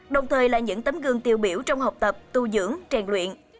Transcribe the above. đồng thời là những tấm gương tiêu biểu trong học tập tu dưỡng rèn luyện